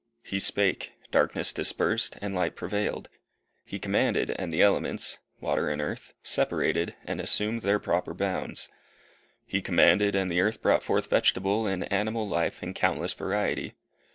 He spake, darkness dispersed, and light prevailed. He commanded, and the elements water and earth, separated, and assumed their proper bounds. He commanded, and the earth brought forth vegetable and animal life in countless variety.